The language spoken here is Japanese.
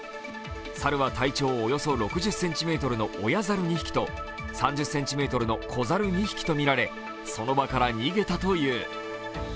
猿は体長およそ６０ｃｍの親猿２匹と３０ｃｍの子猿２匹とみられその場から逃げたという。